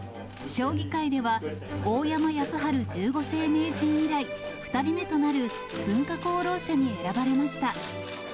将棋界では、大山康晴十五世名人以来、２人目となる、文化功労者に選ばれました。